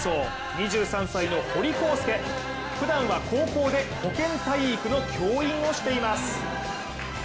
２３歳の堀孝輔、ふだんは高校で保健体育の教員をしています。